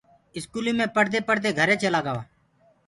اسڪولي مي پڙهدي پڙهدي گھري چيلآ گوآ